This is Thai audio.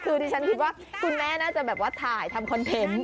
คือดิฉันคิดว่าคุณแม่น่าจะแบบว่าถ่ายทำคอนเทนต์